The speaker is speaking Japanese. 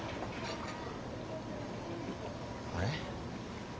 あれ？